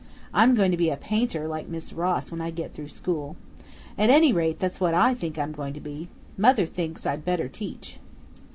I'm going to be a painter like Miss Ross when I get through school. At any rate, that's what I think I'm going to be. Mother thinks I'd better teach."